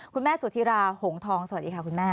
คุณแม่สุธิราหงทองสวัสดีค่ะคุณแม่